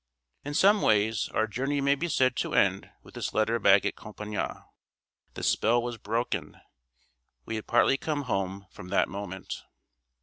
In some ways, our journey may be said to end with this letter bag at Compiègne. The spell was broken. We had partly come home from that moment.